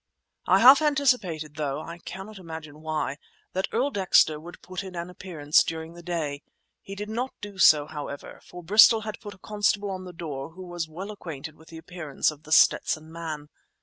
I half anticipated, though I cannot imagine why, that Earl Dexter would put in an appearance, during the day. He did not do so, however, for Bristol had put a constable on the door who was well acquainted with the appearance of The Stetson Man.